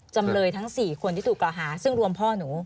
จำเลยทั้ง๔คนที่ถูกกล่าวหาซึ่งรวมพ่อหนู